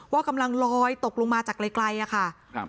ว่ากำลังลอยตกลงมาจากไกลอะค่ะครับ